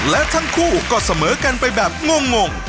และทั้งคู่ก็เสมอกันไปแบบงง